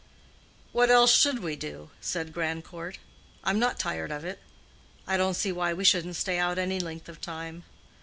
"What else should we do?" said Grandcourt. "I'm not tired of it. I don't see why we shouldn't stay out any length of time.